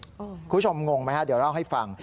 คุณผู้ชมงงไหมเดี๋ยวเล่าให้ฟัง